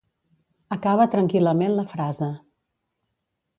Acaba tranquil·lament la frase.